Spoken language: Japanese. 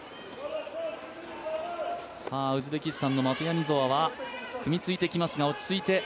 ウズベキスタンのマトニヤゾワは、組みついてきますが落ち着いて。